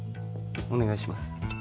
お願いします